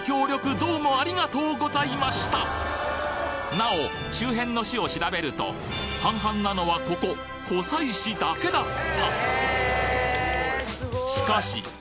なお周辺の市を調べると半々なのはここ湖西市だけだった